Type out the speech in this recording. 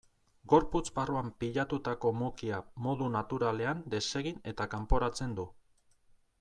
Gorputz barruan pilatutako mukia modu naturalean desegin eta kanporatzen du.